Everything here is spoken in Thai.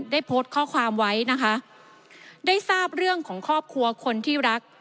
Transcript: ได้โพสต์ข้อความไว้นะคะได้ทราบเรื่องของครอบครัวคนที่รัก